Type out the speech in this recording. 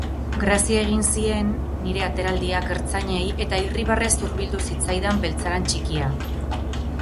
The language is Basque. Grazia egin zien nire ateraldiak ertzainei eta irribarrez hurbildu zitzaidan beltzaran txikia.